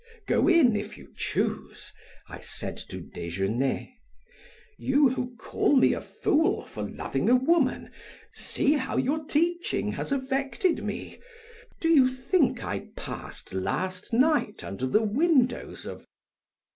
"Go in, if you choose," I said to Desgenais; "you who call me a fool for loving a woman, see how your teaching has affected me. Do you think I passed last night under the windows of